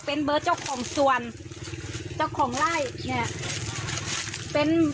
เป็นเบอร์เจ้าของส่วนเจ้าของไล่เนี่ยเป็น